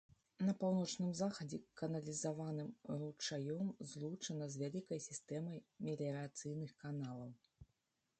На паўночным захадзе каналізаваным ручаём злучана з вялікай сістэмай меліярацыйных каналаў.